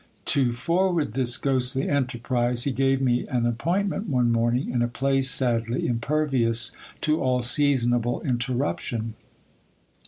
To forward this ghostly enterprise, he gave me an appointment one morning in a place sadly impervious to all seasonable interruption.